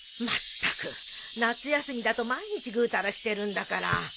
まったく夏休みだと毎日ぐうたらしてるんだから。